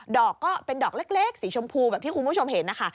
อกก็เป็นดอกเล็กสีชมพูแบบที่คุณผู้ชมเห็นนะคะ